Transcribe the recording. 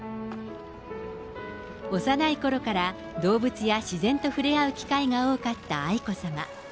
幼いころから動物や自然と触れ合う機会が多かった愛子さま。